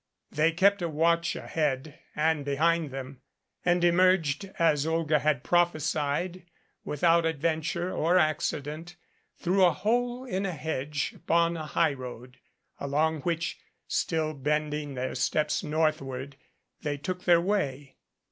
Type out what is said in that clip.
They kept a watch ahead and behind them, and emerged as Olga had prophe sied without adventure or accident through a hole in a hedge upon a highroad, along which, still bending their steps northward, they took their way.